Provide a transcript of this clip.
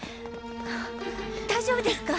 大丈夫ですか？